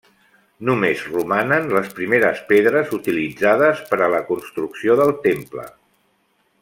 Només romanen les primeres pedres utilitzades per a la construcció del temple.